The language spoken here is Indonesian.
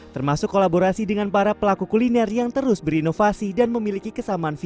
termasuk kolaborasi dengan para pelaku kuliner yang terus berinovasi dan memiliki kesamaan visi